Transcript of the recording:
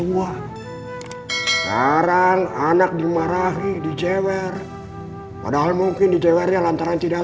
sudah tua sekarang anak dimarahi dicewer padahal mungkin dicewernya lantaran tidak